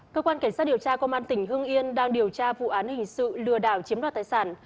cơ quan cảnh sát điều tra công an tỉnh hưng yên đang điều tra vụ án hình sự lừa đảo chiếm đoạt tài sản